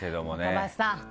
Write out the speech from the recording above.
若林さん！